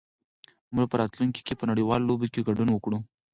موږ به په راتلونکي کې په نړيوالو لوبو کې ګډون وکړو.